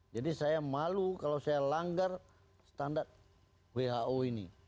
jadi saya malu kalau saya langgar standar who ini